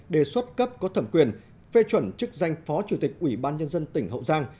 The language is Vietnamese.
đề xuất cấp có thẩm quyền phê chuẩn chức danh phó chủ tịch ủy ban nhân dân tỉnh hậu giang